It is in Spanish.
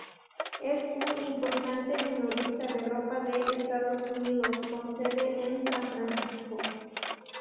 Es un importante minorista de ropa de Estados Unidos, con sede en San Francisco.